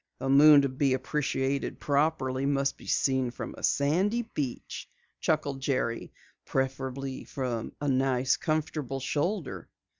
"A moon to be appreciated properly must be seen from a sandy beach," chuckled Jerry. "Preferably from a nice comfortable shoulder."